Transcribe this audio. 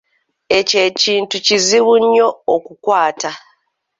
Ekyo ekintu kizibu nnyo okukwata.